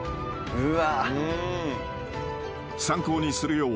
うわ！